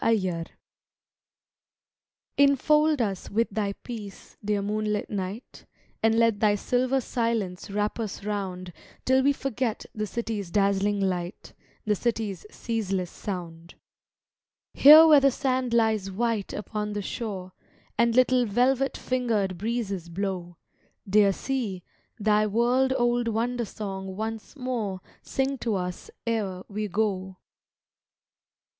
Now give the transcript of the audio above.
NOCTURNE Infold us with thy peace, dear moon lit night, And let thy silver silence wrap us round Till we forget the city's dazzling light, The city's ceaseless sound. Here where the sand lies white upon the shore, And little velvet fingered breezes blow, Dear sea, thy world old wonder song once more Sing to us e'er we go.